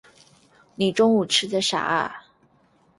你中午吃的啥啊？